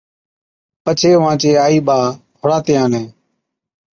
پڇي اُونهان چين آئِي ٻاءَ هُڙاتين آلين